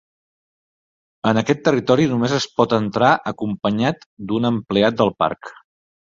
En aquest territori només es pot entrar acompanyat d'un empleat del parc.